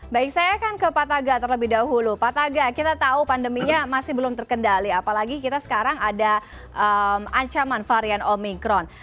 baik saya akan ke pak taga terlebih dahulu pak taga kita tahu pandeminya masih belum terkendali apalagi kita sekarang ada ancaman varian omikron